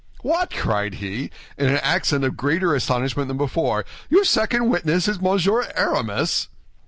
"What!" cried he, in an accent of greater astonishment than before, "your second witness is Monsieur Aramis?"